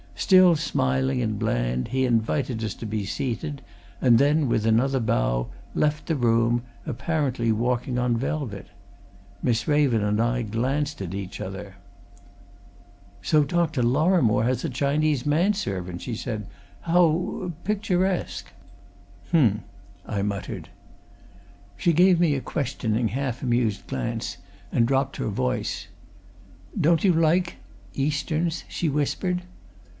Still smiling and bland he invited us to be seated, and then, with another bow, left the room, apparently walking on velvet. Miss Raven and I glanced at each other. "So Dr. Lorrimore has a Chinese man servant?" she said. "How picturesque!" "Um!" I muttered. She gave me a questioning, half amused glance, and dropped her voice. "Don't you like Easterns?" she whispered.